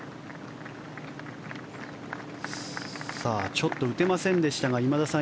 ちょっと打てませんでしたが今田さん